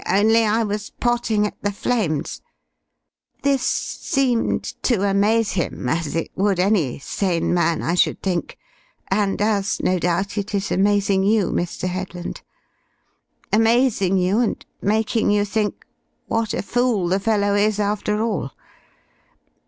Only I was potting at the flames.' This seemed to amaze him, as it would any sane man, I should think, and as no doubt it is amazing you, Mr. Headland. Amazing you and making you think, 'What a fool the fellow is, after all!'